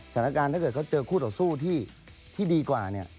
ถ้าเกิดเขาเจอคู่ต่อสู้ที่ดีกว่าเนี่ย